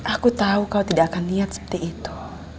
aku tahu kau tidak akan niat seperti itu